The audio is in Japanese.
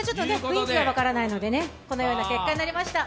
雰囲気が分からないので、このような結果になりました。